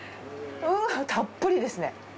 うわたっぷりですね。